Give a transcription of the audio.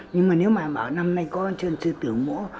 nhưng mà nếu mà vào năm nay có chân sư tử mỡ